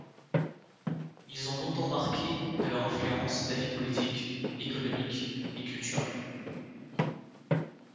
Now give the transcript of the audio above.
Ils ont longtemps marqué de leur influence la vie politique, économique et culturelle.